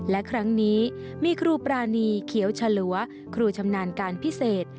และครั้งนี้มีครูปรานีเขียวฉลัวครูชำนาญการพิเศษ